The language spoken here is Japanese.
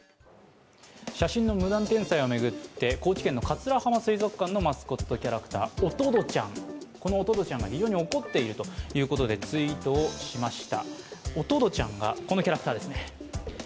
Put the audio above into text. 写真の無断転載を巡って高知県の桂浜水族館のマスコットキャラクターおとどちゃんが非常に怒っているということでツイートをしました。